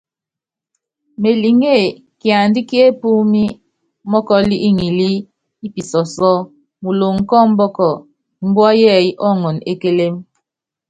Meliŋé, kiandá ki epúúmí, mɔ́kɔl ŋilí i pisɔsɔ́ muloŋ kɔ ɔmbɔk, mbua yɛɛyɛ́ ɔɔŋɔn e kélém.